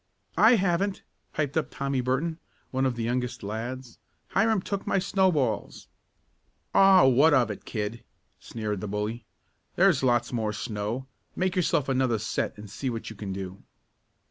"I haven't," piped up Tommy Burton, one of the youngest lads. "Hiram took my snowballs." "Aw, what of it, kid?" sneered the bully. "There's lots more snow. Make yourself another set and see what you can do."